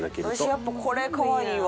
私やっぱこれかわいいわ。